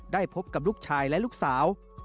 พบกับลูกชายและลูกสาว